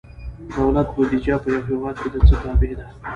دولت بودیجه په یو هیواد کې د څه تابع ده؟